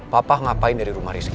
papa ngapain dari rumah rizky